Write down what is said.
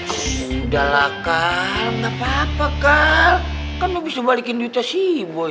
sudahlah kal gak apa apa kal kan lu bisa balikin duitnya sih boy